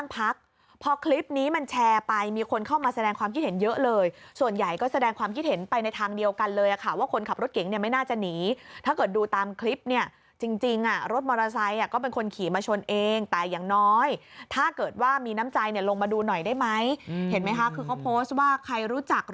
พักพอคลิปนี้มันแชร์ไปมีคนเข้ามาแสดงความคิดเห็นเยอะเลยส่วนใหญ่ก็แสดงความคิดเห็นไปในทางเดียวกันเลยค่ะว่าคนขับรถเก๋งเนี่ยไม่น่าจะหนีถ้าเกิดดูตามคลิปเนี่ยจริงรถมอเตอร์ไซค์ก็เป็นคนขี่มาชนเองแต่อย่างน้อยถ้าเกิดว่ามีน้ำใจเนี่ยลงมาดูหน่อยได้ไหมเห็นไหมคะคือเขาโพสต์ว่าใครรู้จัก